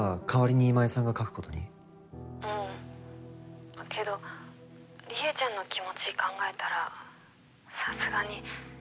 「うんけどりえちゃんの気持ち考えたらさすがに」